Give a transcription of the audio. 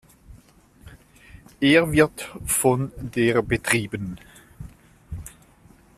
Er wird von der betrieben.